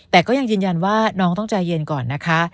แต่ก็ยังยืนยันว่าน้องต้องใจเย็นก่อนนะคะ